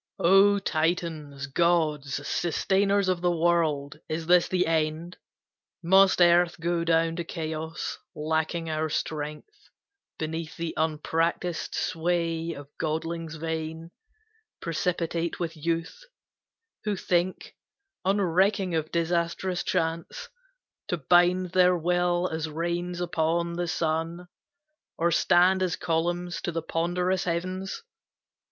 "O Titans, gods, sustainers of the world, Is this the end? Must Earth go down to Chaos, Lacking our strength, beneath the unpracticed sway Of godlings vain, precipitate with youth, Who think, unrecking of disastrous chance, To bind their will as reins upon the sun, Or stand as columns to the ponderous heavens?